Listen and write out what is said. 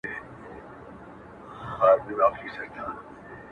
داسي زور نه وو چي نه یې وي منلي،